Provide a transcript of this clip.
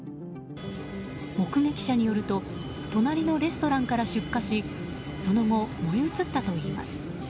目撃者によると隣のレストランから出火しその後、燃え移ったといいます。